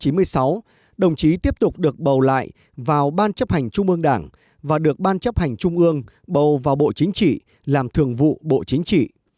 tại đại hội đảng toàn quốc lần thứ tám tháng sáu năm một nghìn chín trăm chín mươi bảy đồng chí được bầu vào ban chấp hành trung ương đảng được ban chấp hành trung ương bầu vào bộ chính trị làm thường vụ bộ chính trị